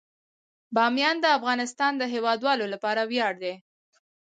بامیان د افغانستان د هیوادوالو لپاره ویاړ دی.